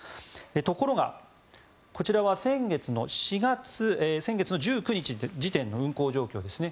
ところがこちらは先月４月１９日時点の運行状況です。